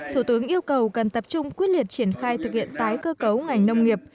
thủ tướng yêu cầu cần tập trung quyết liệt triển khai thực hiện tái cơ cấu ngành nông nghiệp